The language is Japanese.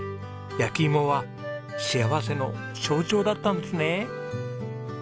焼き芋は幸せの象徴だったんですね。